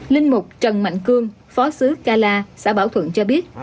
linh mục trần mạnh cương phó sứ kala xã bảo thuận cho biết